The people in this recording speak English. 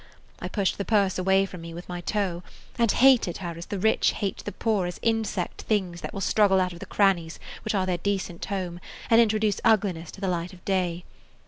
I pushed the purse away from me with my toe, and hated her as the rich hate the poor as insect things that will struggle out of the crannies which are their decent home and introduce ugliness to the light of day.